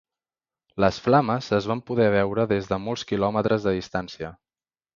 Les flames es van poder veure des de molts quilòmetres de distància.